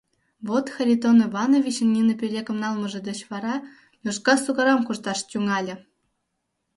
Вот Харитон Ивановичын нине пӧлекым налмыже деч вара Лёшка сукарам кошташ тӱҥале.